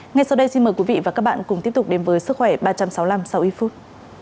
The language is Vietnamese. ngay sau đây xin mời quý vị và các bạn cùng tiếp tục đến với sức khỏe ba trăm sáu mươi năm sau ít phút